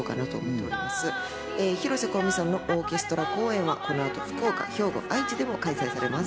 広瀬香美さんのオーケストラ公演は、この後、福岡、兵庫、愛知でも開催されます。